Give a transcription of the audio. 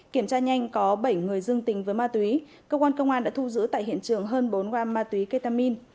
kiểm tra nhanh có bảy người dương tính với ma túy cơ quan công an đã thu giữ tại hiện trường hơn bốn gram ma túy ketamin